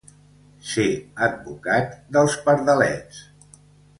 Ser advocat dels pardalets.